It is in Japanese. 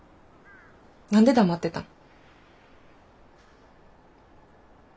何で黙ってたん？